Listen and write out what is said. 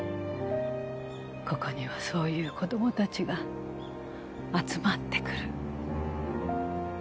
ここにはそういう子どもたちが集まってくる。